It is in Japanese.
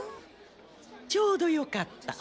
ちょうどよかった。